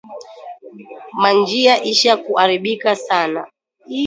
Ma njiya isha ku arabika sana